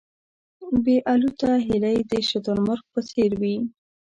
بې الوته هیلۍ د شتر مرغ په څېر وې.